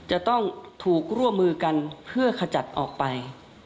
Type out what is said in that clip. จะต้องถูกร่วมมือกันเพื่อขจัดออกไป